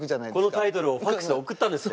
このタイトルをファックスで送ったんですね。